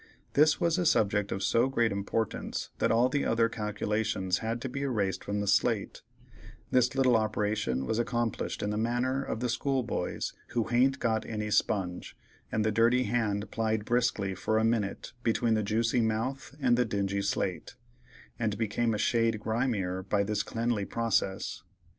This was a subject of so great importance that all the other calculations had to be erased from the slate—this little operation was accomplished in the manner of the schoolboys who haint got any sponge, and the dirty hand plied briskly for a minute between the juicy mouth and the dingy slate, and became a shade grimier by this cleanly process.